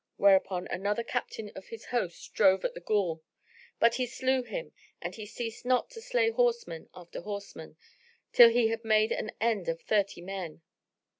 Whereupon another captain of his host drove at the Ghul; but he slew him and he ceased not to slay horseman after horseman, till he had made an end of thirty men.